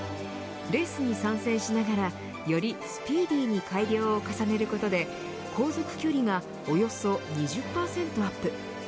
レースに参戦しながらよりスピーディーに改良を重ねることで航続距離がおよそ２０％アップ。